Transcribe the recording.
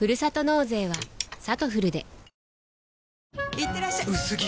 いってらっしゃ薄着！